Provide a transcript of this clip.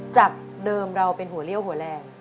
จากเดิมเราเป็นหัวเลี่ยวหัวแรง